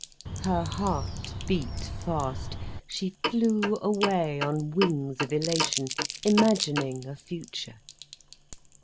Her heart beat fast, she flew away on wings of elation, imagining a future.